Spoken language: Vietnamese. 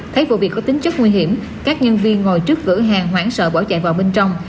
thấy vụ việc có tính chất nguy hiểm các nhân viên ngồi trước cửa hàng hoảng sợ bỏ chạy vào bên trong